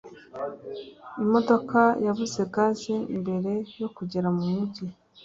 imodoka yabuze gaze mbere yo kugera mu mujyi.